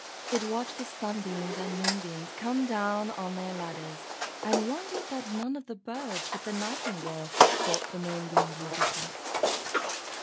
It watched the Sunbeams and Moonbeams come down on their ladders, and wondered that none of the birds but the Nightingale thought the Moonbeam beautiful.